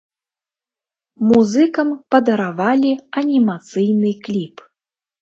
Музыкам падаравалі анімацыйны кліп.